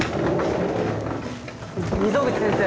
溝口先生。